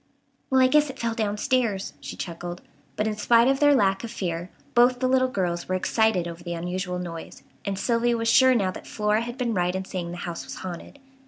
"Well, I guess it fell downstairs," she chuckled; but in spite of their lack of fear both the little girls were excited over the unusual noise, and Sylvia was sure now that Flora had been right in saying the house was haunted.